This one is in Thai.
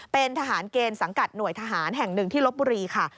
เป็นทหารเกณฑ์สังกัดหน่วยทหารแห่งหนึ่งที่ลบบุรีค่ะ